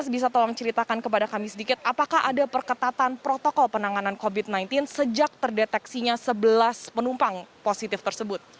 bisa tolong ceritakan kepada kami sedikit apakah ada perketatan protokol penanganan covid sembilan belas sejak terdeteksinya sebelas penumpang positif tersebut